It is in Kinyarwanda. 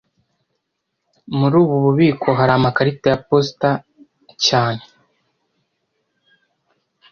Muri ubu bubiko hari amakarita ya posita cyane